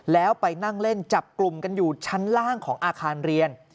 แล้วไปนั่งเล่นจับกลุ่มกันอยู่ชั้นล่างของอาคารเรียน